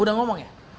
udah ngomong ya